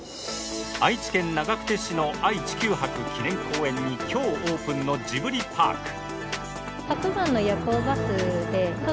愛知県長久手市の愛・地球博記念公園に今日オープンのジブリパーク。